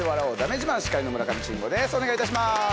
お願いいたします。